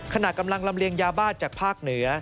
ขณะกำลังลำเลียงยาบ้าจากภาคเหนือ